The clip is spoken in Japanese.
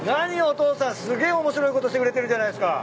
お父さんすげえ面白いことしてくれてるじゃないっすか。